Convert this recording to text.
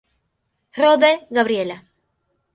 Rother, Gabriela.